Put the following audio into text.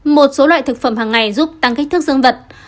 một số loại thực phẩm hàng ngày giúp tăng kích thước dương vật